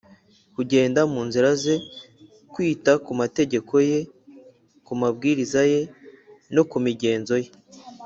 kugenda mu nzira ze, kwitaku mategeko ye, ku mabwiriza ye no ku migenzo ye